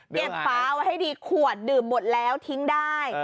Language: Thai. ฟ้าไว้ให้ดีขวดดื่มหมดแล้วทิ้งได้